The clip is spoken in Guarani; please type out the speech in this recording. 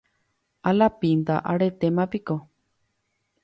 Alapínta aretémapiko